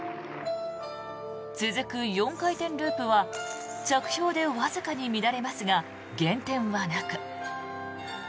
続く４回転ループは着氷でわずかに乱れますが減点はなく。